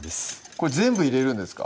これ全部入れるんですか？